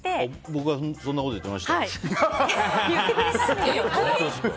僕がそんなこと言ってました？